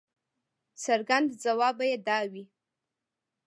څرګند ځواب به یې دا وي.